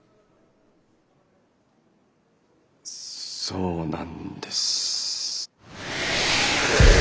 そうなんです。